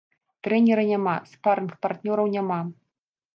Трэнера няма, спарынг-партнёраў няма.